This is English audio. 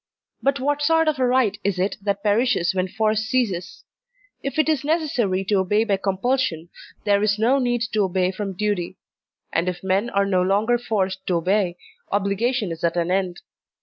But what sort of a right is it that perishes when force ceases ? If it is necessary to obey by compulsion, there is no need to obey from duty; and if men are no longer forced to obey, obligation is at an end.